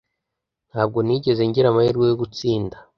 Ntabwo nigeze ngira amahirwe yogutsinda